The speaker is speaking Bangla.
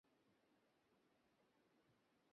তুমি ব্যথা দেবার পর উনি অসুস্থ হয়ে পড়েছেন।